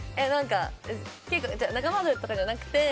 仲間外れとかじゃなくて。